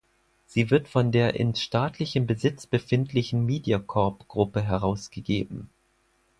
Sie wird von der in staatlichem Besitz befindlichen Mediacorp-Gruppe herausgegeben.